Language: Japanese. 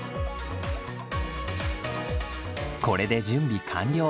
これで準備完了。